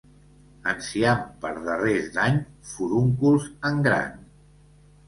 Enciam per darrers d'any, furóncols en gran.